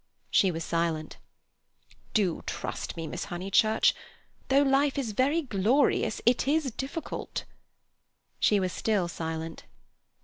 She was silent. "Don't trust me, Miss Honeychurch. Though life is very glorious, it is difficult." She was still silent.